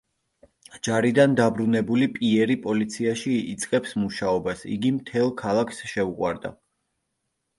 ჯარიდან დაბრუნებული პიერი პოლიციაში იწყებს მუშაობას, იგი მთელ ქალაქს შეუყვარდა.